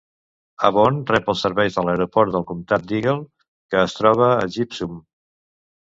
Avon rep els serveis de l'aeroport del comtat d'Eagle, que es troba a Gypsum.